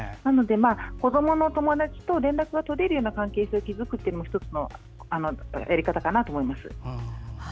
子どもの友達と連絡を取れるような関係を築くのも１つのやり方かなと思います。